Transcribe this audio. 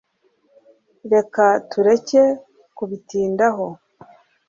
Reka tureke kubitindaho